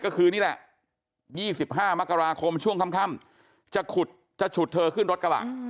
ก็คือนี่แหละ๒๕มกราคมช่วงค่ำจะขุดจะฉุดเธอขึ้นรถกระบะ